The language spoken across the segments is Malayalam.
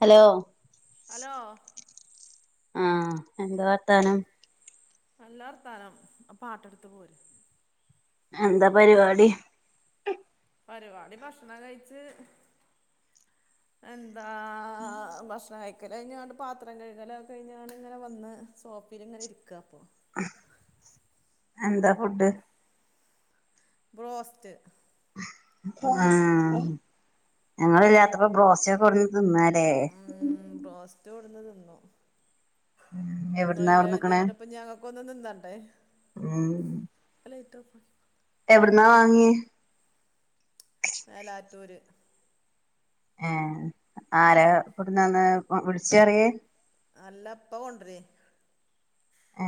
ഹലോ ഹലോ ആഹ്എന്താ വർത്താനം. നല്ലവർത്താനംആ പാട്ടെടുത്ത് പോര്. എന്താ പരിപാടി. പരിപാടി ഭക്ഷണം കഴിച്ച്. എന്താ ഭക്ഷണം. ക്കൽ കഴിഞ്ഞാണ്ട് പാത്രം കഴുകലൊക്കെ കഴിഞ്ഞണ് ഇങ്ങനെ വന്ന് സോഫീല് ഇങ്ങനെ ഇരിക്കപ്പോ. എന്താ ഫുഡ്? ബ്രോസ്റ്റ്. ആ ഞങ്ങില്ലാത്തപ്പോ ബ്രോസ്റ്റൊക്കെ കൊണ്ടന്ന് തിന്നാലേ. ഉ ബോസ്റ്റ് കൊടന്ന് തിന്നു എവിട്ന്നാ നിങ്ങളില്ല കൊട്ന്ന്ക്ക്ണ് കെർതീങ്ങാണ്ട് ഇപ്പഞ്ഞി ഞങ്ങ. ഇപ്പൊന് തിന്നണ്ടേ. ഉം ആലൈറ്റ് ഓഫാക്കും. എവിടന്നാ വാങ്ങിയ. മേലാറ്റൂര്. ഏ ആരാ കൊടുന്നന്ന് വിളിച് പറയേ. അല്ല ഇപ്പ കൊണ്ട രേ. ആ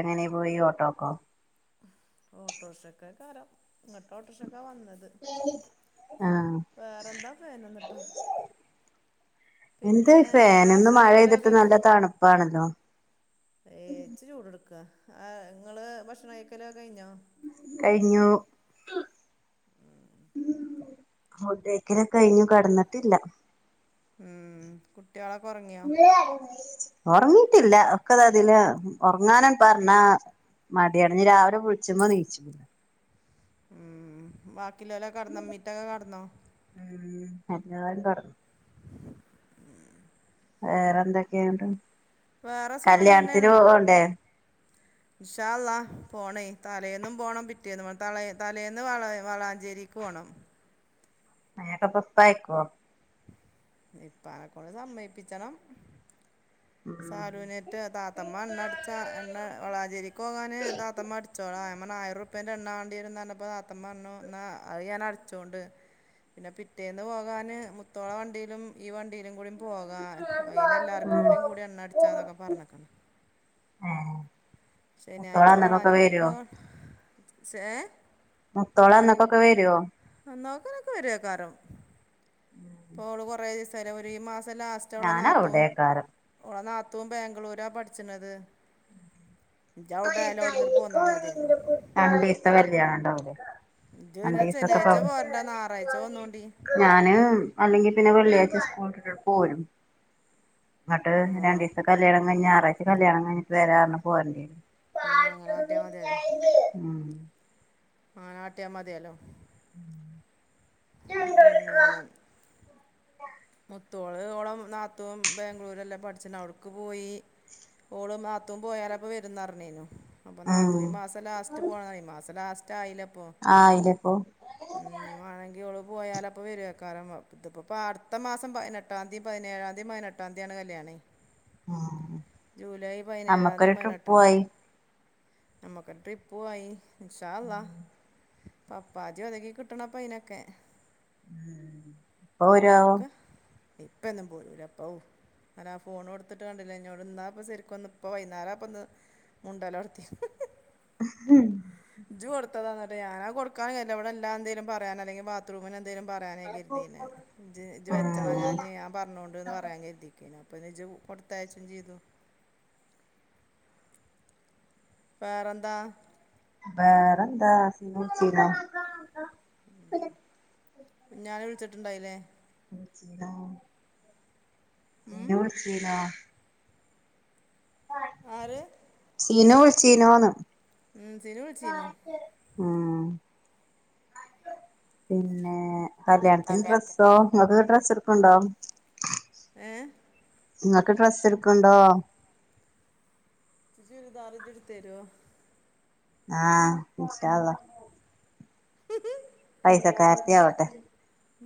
എങ്ങനെ പോയി ഓട്ടോക്കോ. ഓട്ടോഷക്കെക്കാരം ഇങ്ങോട്ട് ഓട്ടോർക്ഷക്ക വന്നത്. ആഹ് വേറെന്താ ഫേനൊന്നിട്ടാ. എന്ത് നിങ്ങളെ ഫേന് ഇന്ന് ഭക്ഷണം മഴെയ്തിട്ട് കഴിക്കലൊക്കെ നല്ല തണുപ്പാണല്ലോ. ഏ ഇച് ചൂട് എടുക്ക ആ നിങ്ങള് ഭക്ഷണം കഴക്കലൊക്കെ കഴിഞ്ഞോ? കഴിഞ്ഞു. ഫുഡ് കഴിക്കലൊക്കെ കഴിഞ്ഞു കടന്നിട്ടില്ല. ഉം കുട്ടികളൊക്കെ ഒറങ്ങി. ഉറങ്ങിട്ടില്ല ഒക്കെതാ ഇതില ഉറങ്ങാനണ് പറഞ്ഞാ. മടിയാണ് ഞ്ഞി രാവിലെ വുളിച്ച്മ്പോ നീച്ചില്ല. ഉം ബാക്കിലോലക്ക കടന്നോ മീറ്റൊക്കെ കടന്നോ. ഉം എല്ലാരും കടന്നു. വേറെ എന്തൊക്കെ ന്ന്ട്ട് വേറെ സുഖം കല്യാണത്തിന് പോണ്ടേ. ഇന്ഷാള്ളാ പോണേ തലേന്നും പോണം പിറ്റേ നമ്മൾ തല തലേന്ന് വള വളാഞ്ചേരിക്ക് പോകണം. അയിനൊക്കെ ഇപ്പയക്കുവോ. ഇപ്പ അനെക്കൊണ്ട് സമ്മയിപ്പിച്ചണം ഉം സാരുനെ. താത്തമ്മ എണ്ണ അടിച്ച എണ വളാചേരിക്ക് പോകാന് താത്തമ്മ അടിച്ചോള ഞാംപർഞ്ഞു ആയിരം ഇപ്പ എണ്ണവാണ്ടിയേരും പറഞ്ഞപ്പ താത്തമ്മ പറഞ്ഞു എന്നാ അഹ് ഞാൻ അടിച്ചോണ്ട്. പിന്നെ പിറ്റേന്ന് പോകാന് മുത്തോള വണ്ടി. ഈ വണ്ടിയിലും കൂടി പോക അയില് എല്ലാർക്കും കൂടി എണ്ണടിച്ചാന്നൊക്കെ പറഞ്ഞക്കാണ്. ആഹ്. ശനിയാഴ്ച വളാഞ്ചേരി ക്കോക ഏ. മുത്തോളന്നന്നൊക്കൊക്കെ വരുവോ. ആ അന്നക്കക്കെ വരുകാരം ഇപ്പൊ ഓള് കൊറെേ ദിവസായിലേ ഈ മാസം ലാസ്റ്റ്. പടച്ച ഓള ഞാന നാത്തും അവിടെക്കാരം ഓള നാത്തും ബാംഗ്ലൂര പഠിച്ണത്. ഇജ് അവിടായാലോ അവിടുന്ന് പോന്ന മതിയല്ലോ രണ്ട് ഈസ്ത്തെ കല്ല്യാണം ഉണ്ടാവേ ഇജ് ശനിയാഴ്ച്ച പോരണ്ട ഞായറാഴ്ച പോന്നോണ്ടി ഞാന് അല്ലെങ്കിൽ പിന്നെ വെള്ളിയാഴ്ച്ച സ്കൂള് വിട്ടു പോരും ഇങ്ങട്ട് ഉം, ആ രണ്ട് ദിവസത്തെ കല്യാണം കഴിഞ്ഞ് ഞായറാഴ്ച്ച കല്യാണംഴിഞ്ഞിട്ട് വരാ പറഞ്ഞ് പോരണ്ടിരും. ആഹ് അങ്ങനെ കാട്ടിയാ മതിയല്ലേ മ് ആ നാട്ടിയാ മതിയല്ലോ ഉം പിന്നെ മുത്തോള് നാത്തൂൻ ബാംഗ്ലൂർല്ലാം പഠിച്ച്ണ് അവടുക്ക് പോയി. ഓള് മാത്തുൻ പോയാല് പ്പോ വരുന്നറിഞ്ഞേനു. അപ്പൊ ഉം നാത്തന് ഈ മാസം ലാസ്റ്റ് പോകണം ഈ മാസം ലാസ്റ്റ് ആയില്ല. ഇപ്പൊ ആയില്ലോ ഇപ്പോ. ഇ വേണെങ്കി ഓള് പോയാല് പ്പം വരുവക്കാലം. ഇപ്പോ അടുത്ത മാസം പതിനൊട്ടാംതി പതിനേഴാം തീയതി, പതിനെട്ടാംതിയതി, യാണേ കല്യാണം. ഉം ജൂലൈ പതിനേഴാം നമ്മക്കൊരു തീയതി ട്രിപ്പ് പതിനെട്ടാംയതി. പോയി നമ്മുക്ക് ട്രിപ്പ് പോയി ഇൻഷാളള പപ്പാജി ഒതുക്കി കിട്ടണം അതി നൊക്കെ. ഇപ്പൊ വരാവോ ഇപ്പൊന്നും പോരുല്ല അപ്പൗ ഞൻ ആ ഫോൺ കൊടുത്തിട്ട് കണ്ടില്ലോ എന്നോട്. ഇാപ്പോ ശരിക്കും ഒന്ന് ഇപ്പ വൈകേരംപ്പൊന്ന് മുണ്ട ല് തോടത്തിത് ഹം ഇജ്ജ് കൊടുത്താന്നട്ട് ഞാനാ കൊടുക്കാന എവിടെ എല്ല എന്തങ്കിലും പറയാന അെങ്ക ബാത്റൂമിന എന്തെങ്കലും പറയാനേ കരുതി ഇത് വെച്ചടാ ഉം ഞാൻ ഞാൻ പറഞ്ഞോണ്ടണ്ട്ന്ന് പറയാൻ കരുതിക്കും. അപ്പ ഇജി കൊടുത്തയച്ചും ചെയ്തു. വോറന്താ. വേറെന്താ സമ വിളിച്ചിരുന്നോ. ഞാന് വിളിച്ചിട്ടുണ്ടായില്ലേ. [inaudible] ഉം പിന്നെ വിളിണൊ ആഹ് ആര് ചീനോ വിളിച്ചീനോന്ന് ഉം സിനു വിളിച്ചീനു ഉം പിന്നെ കല്യാണത്തിന്റെ കല്യാണത്തിന് ഡ്രസ്സോ നിങ്ങക്ക് ഡ്രസ്സ് എടുക്കണ്ടോ? ഏ നിങ്ങക്ക് ഡ്രസ്സ് എടുക്ക്ണ്ടോ? ചൂരിദാറ് ഇജ്ജ് എടുതരോ? ആഹ ഇൻഷാ അള്ളാ ഹീ ഹ് പൈസ കരത്തി ആവട്ടെ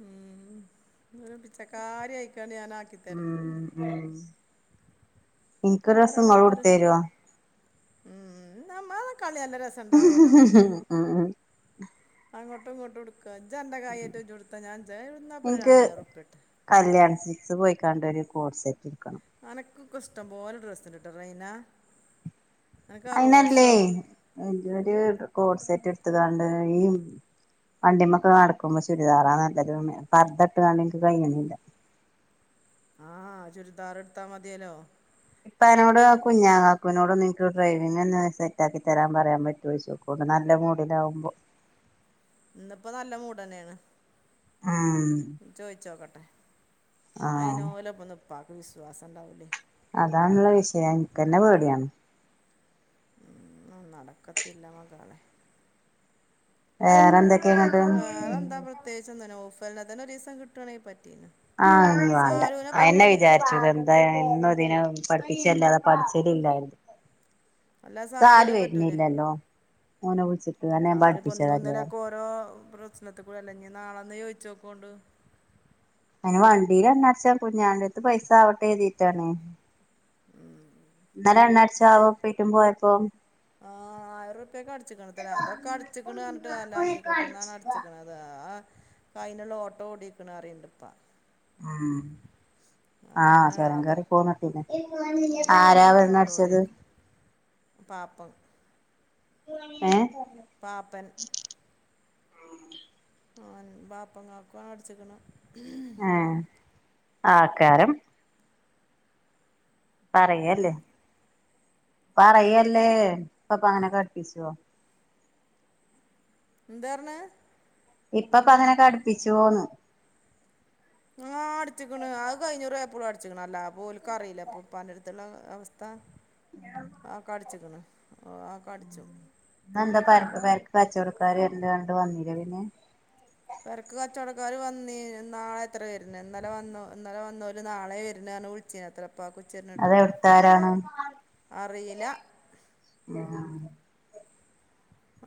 ഉം [unintelligible] പിച്ചക്കാരി ആയിക്കാണ് ഞാൻ ആക്കിത്തരണ്ടത് ഉം ഉം ഇൻക്കൊരു ദിവസം ഇങ്ങള് ആറോടാപ്പര് കൊടുത്തരോ ഉം നമ്മ കളില്ല രസം ഇണ്ടാകൂല്ലോ ഉം ഉം അങ്ങോടിങ്ങോടും എൻന്റെ കായായിറ്റ കൊടുത്താ ഞാ ച ഇാൊ രണ്ടായിരം റുപ്പിയ ഇട്ട് കല്യാണ സിക്സ് പോയിക്കാണ്ട് ഒരു കോഡ് സെറ്റ് എക്കണം അനക്ക്ക്ക ഇഷ്ടം പോലെ ഡ്രസ്സ്ണ്ട് ഇട്ട റൈന അനക്ക് ആ അയിനല്ലേ റോസോ എ ഒരു കോട് സെറ്റ് എടുത്തതണ്ട് ഈ വണ്ടിമൊക്കെ നടക്കുമ്പോ ചുരിദാറാ നല്ലത് പർുദ ഇട്ട് കണ്ടിക്ക് കഴിയുന്നില്ല ആഹ് ചുരിദാറെടുത്താ മതിയലോ ഇപ്പ അയിനോട് അ കുഞ്ഞാംകാക്കുനോട് ഒന്ന് എനിക്ക് ഡ്രൈവിംങെന്ന് സെറ്റാക്കി തെരാം പറയാം പറ്റോയ്ച്ചു മൂഡ് നല്ല മൂടിലാവുമ്പോ ഇന്നിപ്പ നല്ല മൂടന്നെയാണ് ആഹ് ചോയിച്ചോക്കട്ടെ അയിന് ആഹ് ഓല പ്പോന്ന് ഇപ്പാക്ക് വിശ്വാസം ഇണ്ടാവൂലെ അതാണുള്ള വിഷയം എന്ക്കന്നെ പേടിയാണ് ഒന്നും നടക്കത്തില്ല മകളെ വേറെ നോക്ക എന്തൊക്കെയാ നമുക്ക് ഇങ്ങട്ട് വേറെന്താ പ്ര പ്രത്യേകിചൊന്ന് നൗഫൽനെ തന്നെ ഒരീസം കിട്ടുവാണെങ്കി പറ്റീന്ന് ആഹ് ഒന്നും വാണ്ട അയന്നെ വിചാരിച്ചു ഇതെ അത് എന്നും ഇതിനെ പഠിപ്പിച്ചെ അല്ലാതെ പഠിച്ചലില്ലായി അല്ല സാല് സാലൂനെ പറ്റൂലേ വരുണില്ലല്ലോ ഓനെ വിള്ച്ചിട്ട് അന്നെ ഞാൻ പഠിപ്പിച്ചത അല്ലേ രോ പ്രശ്നത്തി കൂടല്ലെ ഞി നാള നീ ചൊയ്ച്ചോക്കോണ്ട് അയിന് വണ്ടിലെണ്ണ അട്ച്ചാം കുഞ്ഞാവന്റടുത്ത് പൈസ ആവട്ടെ കരുതീട്ടാണ് ഇന്നലെ എന്നെ അച്ചാറും കുപ്പി ആയിട്ട് പോയപ്പോ ആഹ് ആയിറുപ്യക്ക് അടിച്ച്ക്ക്ണ് അത്രേ അതൊക്ക അടിച്ച്ക്ക്ണ് പറഞ്ഞിട്ട് കാര്യല്ലാ അനീകൊട്ടിന്നാണ് അടിച്ച്ക്ക്ണത് ആ ഫൈനൽ ഓട്ടോ ഓടിക്ക്ണ് പറയ്ണ്ട് ഇപ്പാ ഉം ആഹ് അയിന് ചൊരം അത് കെറി പോന്നട്ടി ഉം ആരാവോ എണ്ണ അടിച്ചത് പാപ്പം ഏഹ് പാപ്പൻ ആഹ് ൻ പാപ്പക്കാക്കു ആണ് അടിച്ചിക്ക്ണു ഏഹ് ആക്കാരം പറയെ അല്ലേ പറയല്ലേ ഇപ്പാപാനെ കട്പ്പിച്ചുവോ എന്താ അർണേ ഇപ്പപ്പ അങ്ങനെ ഒക്കെ അടുപ്പിച്ചോ വോന്ന് ആഹ് അടിച്ച്ക്ക്ണ് അത് കഴ്‌ഞ്ഞൂറി ആയപ്പോളും അടിച്ച്ക്ക്ണ് അല്ല അപ ഓൽ ക്കറിയില്ലെ അപ്പൊ ഉപ്പാന്റടുത്തുള്ള അ അവസ്ഥ അ കട് അടിച്ച്ക്ക്ണ് അ കടിച്ചും ഇന്നന്താ പരപ്പ് പെരക്ക് കച്ചൊടക്കാര് വെര്ണ്ട് പറഞ്ഞട്ട് വന്നില്ലെ പിന്നെ പെരക്ക് കച്ചൊടക്കാര് വന്നീന് നാളെ അത്രേ വെര്ന്നെ ഇന്നലെ വന്നു ഇന്നലെ വന്നോര് നാളെ വര് ന്നെ പറഞ്ഞ് വിളിച്ചീന്നത്രെ ഉപ്പാക്ക് ഉച്ചതിര്ഞ്ഞ്ട്ട് അതെവിടുത്താരാണ് അറിയില [unintelligible]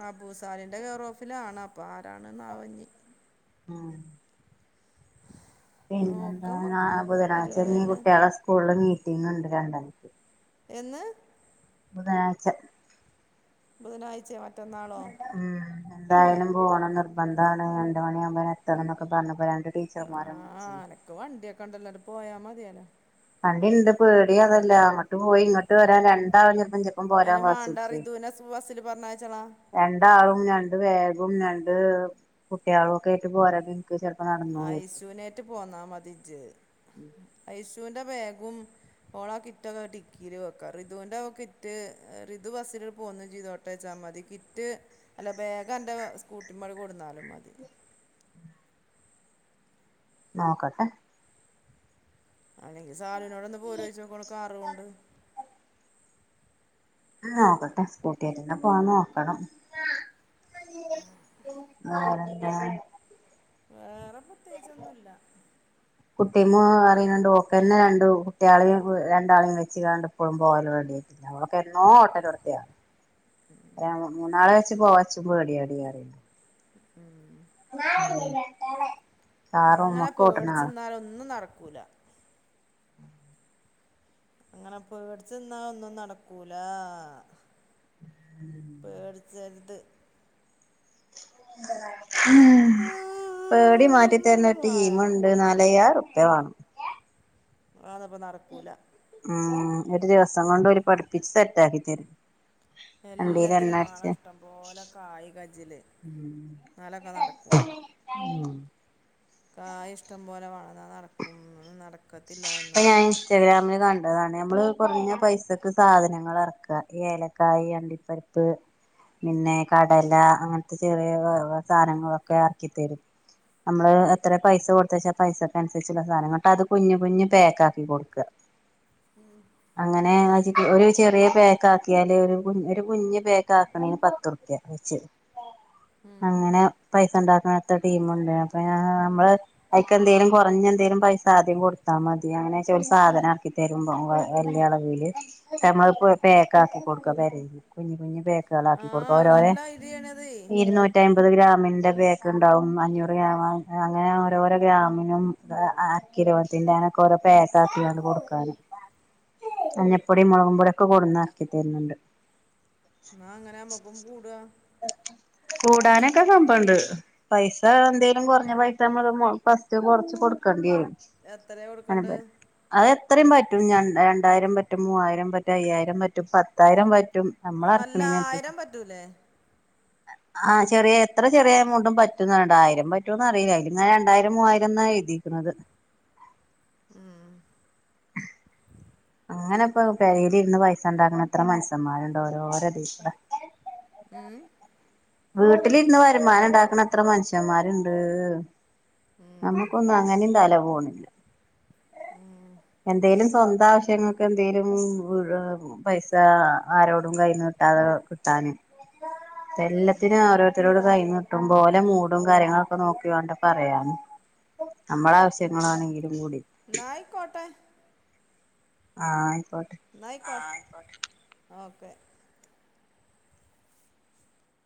അബൂസാലിന്റ കെയറോഫിലാണ് അപ്പൊ ആരാണ്ന്നാവോ ഇഞ്ഞി ഉം പിന്നെ എന്താ നോക്കാം നമുക്ക് അ ബുധനാഴ്ച വരുമോ ഇനി വല്ല കുട്ടികള സ്കൂൾ മീറ്റിംഗ് ഉണ്ട് രണ്ട് മണിക്ക് എന്ന് ബുധനാഴ്‌ച്ച ബുധനാഴ്ചയോ മറ്റന്നാളോ ആഹ് എന്തായാലും പോണം നിർബന്ധാണ് രണ്ട് മണിയവുമ്പോ അവടത്തണം ന്നൊക്കെ പറഞ്ഞ്പ്പ രണ്ട് ടീച്ചർമാരാണ് വിളിച്ചീനെ ക്ക് വണ്ടിയൊക്കെ ഒണ്ടല്ലോ അങ്ങട്ട് പോയാ മതിയല്ലോ അന്റെ ഇന്റെ പേടി അതെല്ല മ അങ്ങട്ട് പോയി ഇങ്ങട്ട് വരാൻ രണ്ടാളും ചെലപ്പം ഇന്റപ്പം പോരാം അതിന് മാണ്ട വാസിപിടിച്ചുവെ റിദുവിനെ ബസ്സിൽ പറഞ്ഞയച്ചളാ രണ്ടാളും രണ്ട് ബ്യാഗും രണ്ട് കുട്ടികളു ഒക്കെ ആയിട്ട് പോരാ ഇക്ക് ചെലപ്പം കാണും ഐഷുനേറ്റ് പോന്നാ മതി ഇജ്ജ് ഐഷൂന്റ ബ്യാഗും ഓളാ കിറ്റൊക്കെ ഡിക്കീല് വെക്കാ റിദൂന്റെ കിറ്റ് റിതു ബസ്സിലിണ്ട് പോന്നും ചെയ്തോട്ടെ ത്തയ്ച്ചാമതി കിറ്റ് അല്ല ബേഗ് അന്റെ സ്കൂട്ടിമ്മല്കൊട്ന്നാലും മതി നോക്കട്ടെ അല്ലെങ്കി സാലൂനോട് ഒന്നു പോരോയ്ച്ചോക്കാ ഓളെ കാറും കൊണ്ട് നോക്കട്ടെ സ്കൂട്ട്യറ്റെന്നെ പോവാം നോക്കണം ഉമ്മ ഇത് ന്റെ വേറെ പ്രത്യേകിച്ചൊന്നുംല്ല കുട്ടിമ്മു ന്നറിഞ്ഞിങ്ങാണ്ട് ഓക്കെന്നെ രണ്ടു കുട്ട്യോളിം രണ്ടാളിം വെച്ച് കാണ്ട് എപ്പളും പോവലും വെര്ലോയ്ന്ന് ഞങ്ങളൊക്കെ എന്നോ ഓട്ടല് തൊടത്ത്യാ [unintelligible] ഞ്ഞാ മൂന്നാളെ വെച്ച് പോവാ ഇച്ച് പേടിയാടിയാടി ഉം [unintelligible] കാറും അങ്ങനെ ഒക്കെ ഓട്ടണ ആളാ പേട്ച്ച്ന്നാലൊന്നും നടക്കൂല അങ്ങനെ പേട്ച്ച് നിന്നാ ഒന്നും നടക്കൂല പേടിച്ചെരുത് [unintelligible] പേടി മാറ്റി തര്ണ ടീമുണ്ട് നാലയ്യായിരം ഉറുപ്പ്യ വാണം അതൊന്നും ഇപ്പ നടക്കൂല ആഹ് ഒരു ദിവസം കൊണ്ട് ഓര് പഠിപ്പിച്ച് സെറ്റാക്കി തരും വണ്ടീല് എല്ലത്തിനും എണ്ണ മാണം അടിച്ച് ഇഷ്ടം പോലെ കായി കജ്ജില് ഇന്നാലൊക്കെ നടക്കും [unintelligible] കായി ഇഷ്ടം പോലെ വാണം ഇന്നാ നടക്കുംന്ന് നട ഇപ്പ ഞാൻ ഇൻസ്റ്റാഗ്രാമിൽ കണ്ടതാണ് നമ്മള് കൊറഞ്ഞ പൈസക്ക് സാധനങ്ങൾ എറക്ക ഈ ഏലക്കായ് അണ്ടിപ പ്പരിപ്പ് പിന്നെ കടല അങ്ങൻത്തെ ചെറിയ സ സാധനങ്ങളൊക്കെ എറക്കിത്തരും നമ്മള് എത്ര പൈസ കൊടുത്തേച്ച പൈസക്കനുസരിച്ചുള്ള സാധനങ്ങള് ഇന്നിട്ട് അത് കുഞ്ഞെ കുഞ്ഞെ പേക്ക് ആക്കി കൊട്ക്ക ഉം അങ്ങനെ ആ ച്ചിട്ട് ഒരു ചെറിയ പേക്ക് ആക്കിയാല് ഒരു കുഞ്ഞെ പേക്ക് ആക്കണേന് പത്ത് ഉറുപ്യ മരിച്ച് അങ്ങനെ പൈസ ഉണ്ടാക്കാത്ത ടീമുണ്ട് അപ്പ ആ നമ്മള് അയിക്കെന്തേലും കൊറഞ്ഞ എന്തേലും പൈസ ആദ്യം കൊടുത്താ മതി അങ്ങനേച്ച ഒരു സാധനം ആക്കി തരുമ്പോ വലിയ അളവില് നമ്മള് ഇപ്പൊ പേക്ക് ആക്കി കൊടുക്ക പെരേന്ന് കുഞ്ഞ് കുഞ്ഞ് പേക്ക് [unintelligible] ആ ലാക്കിക്കൊടുക്ക അത് ഒരോ രേ നല്ല ഐഡിയാണത് എന്നാ ഇരുന്നൂ റ്റിഅയ്മ്പത് ഗ്രാമിൻ്റെ പേക്ക് ഉണ്ടാവും അഞ്ഞൂറ് ഗ്രാമ് അങ്ങനെ ഓരോരോ ഗ്രാമിനും അ അ കിലോത്തിന്റെ അങ്ങനൊക്കെ ഓരോ പാക്ക് ആക്കിങ്ങാണ്ട് കൊടുക്കാന് മഞ്ഞപ്പൊടി മൊളകും പൊടി ഒക്കെ കൊട്ന്ന് എറക്കി തര്ന്ന്ണ്ട് എന്നാ അങ്ങനെ നമ്മക്കും കൂടാ കൂടാനൊക്കെ സംഭവണ്ട് പൈസ എന്തേലും കൊറഞ്ഞ പൈസ നമ്മള് മൊ ഫസ്റ്റ് കൊറച്ച് കൊടുക്കെണ്ടി വരും എത്രയാ കൊടുക്കണ്ട് അഹ് എത്രയും പറ്റും രണ്ടായിരം പറ്റും മൂവായിരം പറ്റും അയ്യായിരം പറ്റും പത്തായിരം പറ്റും നമ്മള അല്ല ഇറക്കണീനനുസരിച്ച് ആയിരം പറ്റൂല്ലേ ആഹ് ചെറിയ എത്ര ചെറിയ എമൗണ്ടും പറ്റും രണ്ടായിരം പറ്റുംന്ന് അറിയില്ല അയ്ല് ങ്ങാ രണ്ടായിരം മൂവായിരം ന്നാ എഴുതി ക്ക്ണത് ഉം അങ്ങനെ ഇപ്പൊ പെരേലിരുന്ന് പൈസ ഉണ്ടാക്കണത്ര മൻസ്യന്മാരുണ്ട് ഓരോരതികൂടെ ഉം വീട്ടിലിരുന്ന് വരുമാനം ണ്ടാക്കണ എത്ര മനുഷ്യന്മാരുണ്ട് ഉം നമുക്കൊന്നും അങ്ങനെയും തല പോണില്ല ഉം എന്തേലും സ്വന്തം ആവശ്യങ്ങൾക്ക് എന്തെങ്കലും വീഴണത് പൈസ ആരോടും കയ്യ്ന്ന് കിട്ടാതെ കിട്ടാന് എല്ല ത്തിനാ ഓരോരുതരോടും പ കൈനീട്ട്മ്പോ ഓലെ മൂടും കാര്യങ്ങളൊക്കെ നോക്കി വേണ്ടേ പറയാന് അമ്മള ആവശ്യങ്ങളാണെങ്കിലും കൂടി ന്നായിക്കോട്ടെ ആഹ് ആയിക്കോട്ടെ ന്നാ അയ്കൊ ഓക്കെ